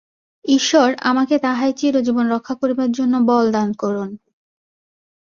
ঈশ্বর আমাকে তাহাই চিরজীবন রক্ষা করিবার জন্য বলদান করুন।